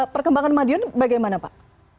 perkembangan madiun bagaimana pak